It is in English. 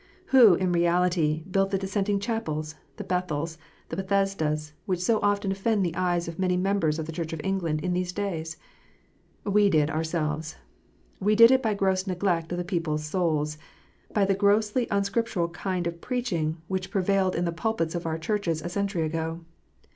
Who, in reality, built the Dissenting chapels, the Bethels, the Bethesdas, which so often offend the eyes of many members of the Church of England in these days ? We did ourselves ! We did it by gross neglect of the people s souls, by the grossly unscriptural kind of preaching which prevailed in the pulpits of our churches a century ago.